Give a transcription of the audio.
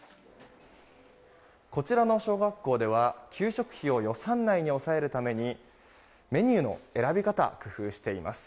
こちらの小学校では給食費を予算内に抑えるためにメニューの選び方工夫しています。